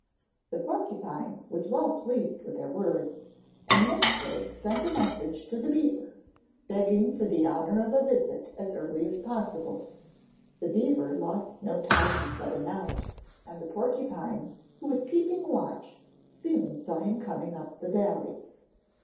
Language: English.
The porcupine was well pleased with their words, and next day sent a message to the beaver, begging for the honour of a visit as early as possible. The beaver lost no time in setting out, and the porcupine who was keeping watch soon saw him coming up the valley.